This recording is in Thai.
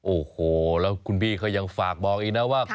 โอ้โหแล้วคุณพี่เขายังฝากบอกอีกนะว่า